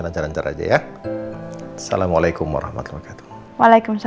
tiap jumat eksklusif di gtv